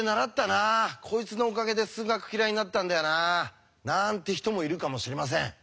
こいつのおかげで数学嫌いになったんだよな」なんて人もいるかもしれません。